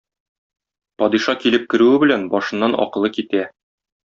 Падиша килеп керүе белән башыннан акылы китә.